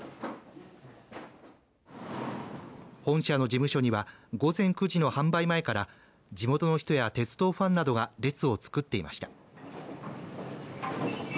本社の事務所には午前９時の販売前から地元の人や鉄道ファンなどが列をつくっていました。